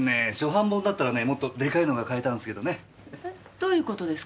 どういう事ですか？